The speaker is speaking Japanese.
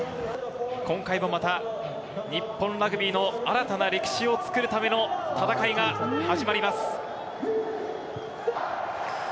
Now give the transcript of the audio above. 今回もまた日本ラグビーの新たな歴史を作るための戦いが始まります。